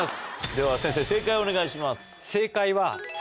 では先生正解をお願いします。